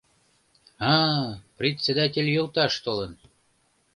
— А-а, председатель йолташ толын!